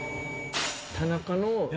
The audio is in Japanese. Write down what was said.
田中の。